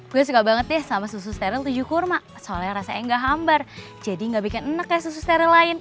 gue suka banget deh sama susu steril tujuh kurma soalnya rasanya enggak hambar jadi gak bikin enak kayak susu steril lain